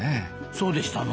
そうでしたな。